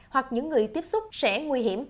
hoặc những người tiếp xúc sẽ nguy hiểm